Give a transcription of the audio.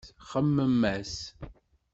Xemmem-as.